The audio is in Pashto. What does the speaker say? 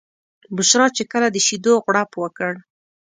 بشرا چې کله د شیدو غوړپ وکړ.